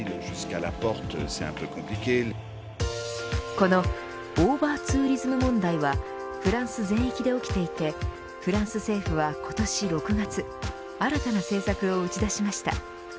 このオーバーツーリズム問題はフランス全域で起きていてフランス政府は、今年６月新たな政策を打ち出しました。